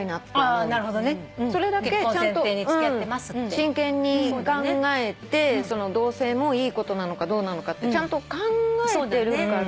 真剣に考えて同棲もいいことなのかどうなのかってちゃんと考えてるから。